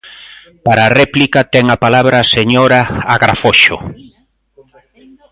Para a réplica ten a palabra a señora Agrafoxo.